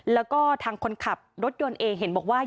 แล้วก็ทางคนขับรถยนต์เองเห็นบอกว่า